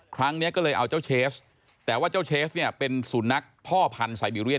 ครั้งนี้ก็เลยเอาเจ้าเชสแต่ว่าเจ้าเชสเนี่ยเป็นสุนัขพ่อพันธ์ไซบีเรียน